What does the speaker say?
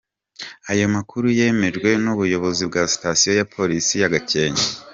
Ayo makuru yemejwe n’ubuyobozi bwa sitasiyo ya Polisi ya Gakenke.